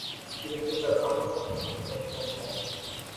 Cricketer Akram Khan তার চাচা।